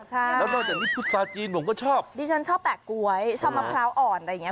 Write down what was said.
ใช่แล้วนอกจากนี้พุษาจีนผมก็ชอบดิฉันชอบแปะก๊วยชอบมะพร้าวอ่อนอะไรอย่างเง